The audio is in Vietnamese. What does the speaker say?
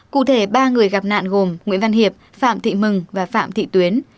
cụ thể ba người gặp nạn gồm nguyễn văn hiệp phạm thị mừng và phạm thị tuyến